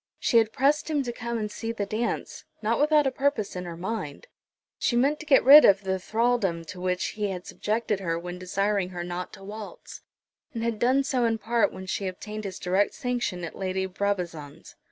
She had pressed him to come and see the dance, not without a purpose in her mind. She meant to get rid of the thraldom to which he had subjected her when desiring her not to waltz, and had done so in part when she obtained his direct sanction at Lady Brabazon's.